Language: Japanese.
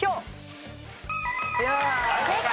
正解。